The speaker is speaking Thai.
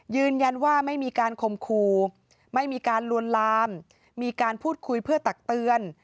ยืนยันว่าไม่มีการคมครูไม่มีการลวนลามมีการพูดคุยเพื่อตักเตือน